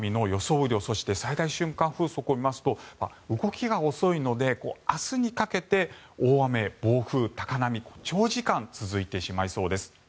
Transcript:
雨量そして最大瞬間風速を見ますと動きが遅いので明日にかけて大雨、暴風、高波が長時間続いてしまいそうです。